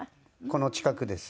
この近くです。